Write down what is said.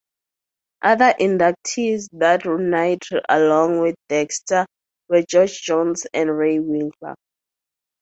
Other inductees that night along with Dexter were George Jones and Ray Winkler.